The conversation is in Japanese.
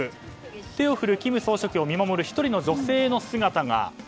手を振る金総書記を見守る女性の姿が。